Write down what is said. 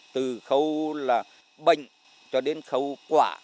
từ khâu là bệnh cho đến khâu quả